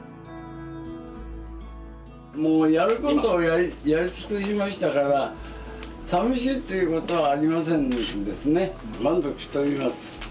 もうやることをやりつくしましたからさみしいっていうことはありませんですね。